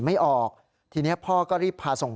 ไม่ออกทีนี้พ่อก็รีบพาส่ง